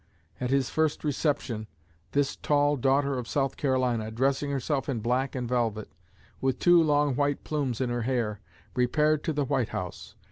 At his first reception, this tall daughter of South Carolina, dressing herself in black velvet, with two long white plumes in her hair, repaired to the White House.